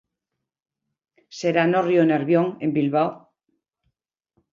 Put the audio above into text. Será no Río Nervión, en Bilbao.